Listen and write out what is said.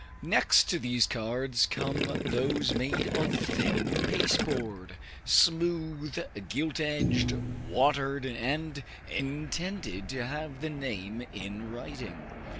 Next to these cards come those made of thin pasteboard, smooth, gilt edged, watered, and intended to have the name in writing.